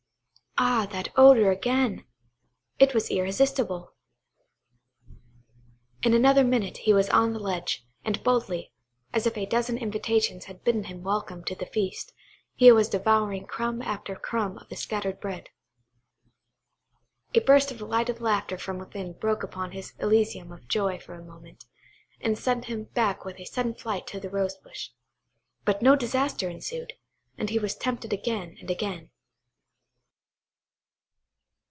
Ah, that odour again! it was irresistible. In another minute he was on the ledge, and boldly, as if a dozen invitations had bidden him welcome to the feast, he was devouring crumb after crumb of the scattered bread. A burst of delighted laughter from within broke upon his elysium of joy for a moment, and sent him back with sudden flight to the rose bush. But no disaster ensued, and he was tempted again and again.